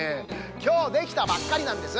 きょうできたばっかりなんです！